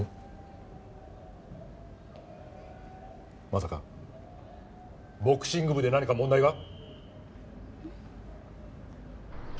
まさかボクシング部で何か問題が？